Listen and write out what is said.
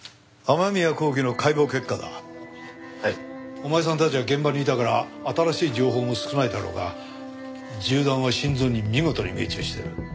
お前さんたちは現場にいたから新しい情報も少ないだろうが銃弾は心臓に見事に命中してる。